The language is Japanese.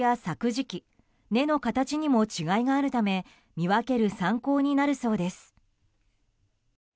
時期根の形にも違いがあるため見分ける参考になるそうです。